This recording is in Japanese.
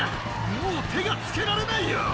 もう手が付けられないよ！